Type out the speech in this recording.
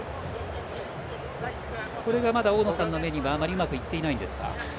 それが大野さんの目にはあまりうまくいっていないですか。